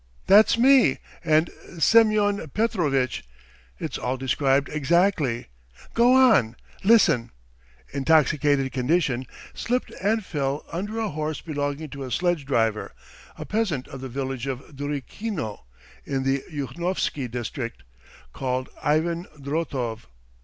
.." "That's me and Semyon Petrovitch. ... It's all described exactly! Go on! Listen!" "... intoxicated condition, slipped and fell under a horse belonging to a sledge driver, a peasant of the village of Durikino in the Yuhnovsky district, called Ivan Drotov.